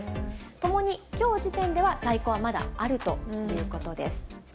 ともにきょう時点では在庫はまだあるということです。